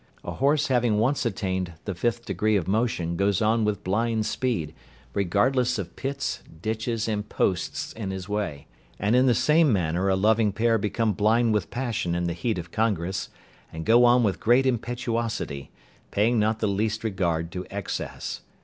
A horse having once attained the fifth degree of motion goes on with blind speed, regardless of pits, ditches, and posts in his way; and in the same manner a loving pair become blind with passion in the heat of congress, and go on with great impetuosity, paying not the least regard to excess.